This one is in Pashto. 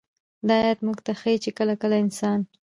دا آيت موږ ته ښيي چې كله كله انسان